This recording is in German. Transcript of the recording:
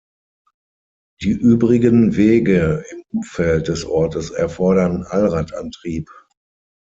Die übrigen Wege im Umfeld des Ortes erfordern Allradantrieb.